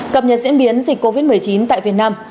cập nhật diễn biến dịch covid một mươi chín tại việt nam